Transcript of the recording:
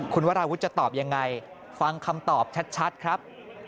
คุณวราวุฒิจะตอบยังไงฟังคำตอบชัดครับ